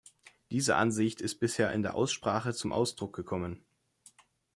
Diese Ansicht ist bisher in der Aussprache zum Ausdruck gekommen.